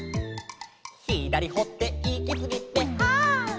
「ひだりほっていきすぎてはっ」